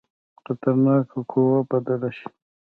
خطرناکه قوه بدل شي.